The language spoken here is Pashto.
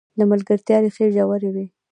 د ملګرتیا ریښې ژورې وي.